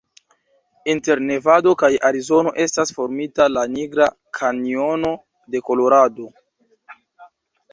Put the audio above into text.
Inter Nevado kaj Arizono estas formita la Nigra Kanjono de Kolorado.